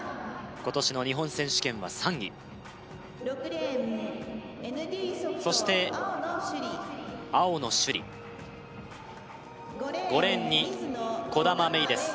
今年の日本選手権は３位そして青野朱李５レーンに兒玉芽生です